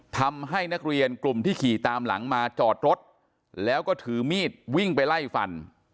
ทำให้นักเรียนกลุ่มที่ขี่ตามหลังมาจอดรถแล้วก็ถือมีดวิ่งไปไล่ฟัน